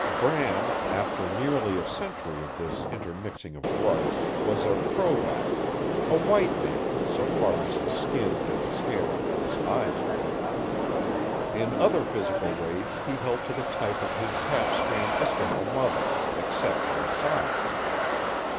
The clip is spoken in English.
Bram, after nearly a century of this intermixing of bloods, was a throwback a white man, so far as his skin and his hair and his eyes went. In other physical ways he held to the type of his half strain Eskimo mother, except in size.